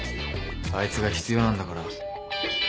あいつが必要なんだから。